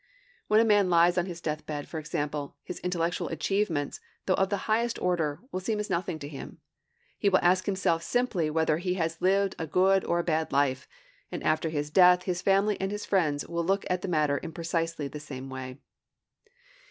When a man lies on his deathbed, for example, his intellectual achievements, though of the highest order, will seem as nothing to him he will ask himself simply whether he has lived a good or a bad life; and after his death his family and his friends will look at the matter in precisely the same way.